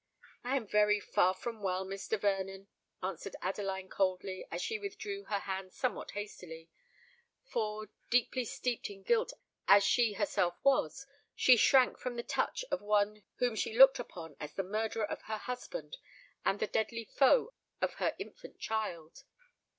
"I am very far from well, Mr. Vernon," answered Adeline coldly, as she withdrew her hand somewhat hastily; for, deeply steeped in guilt as she herself was, she shrank from the touch of one whom she looked upon as the murderer of her husband and the deadly foe of her infant child.